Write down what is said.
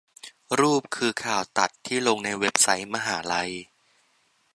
รูปคือข่าวตัดที่ลงในเว็บไซต์มหาลัย